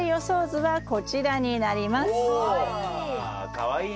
かわいい！